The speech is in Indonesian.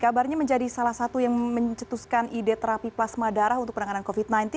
kabarnya menjadi salah satu yang mencetuskan ide terapi plasma darah untuk penanganan covid sembilan belas